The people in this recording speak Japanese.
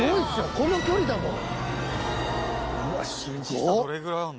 この距離だもん。